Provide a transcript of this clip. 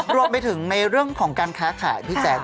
รวมไปถึงในเรื่องของการค้าขายพี่แจ๊ค